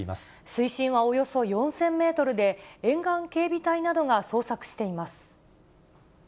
水深はおよそ４０００メートルで、沿岸警備隊などが捜索しています。